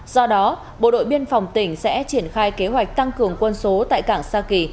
do đó bộ đội biên phòng tỉnh sẽ triển khai kế hoạch tăng cường quân số tại cảng sa kỳ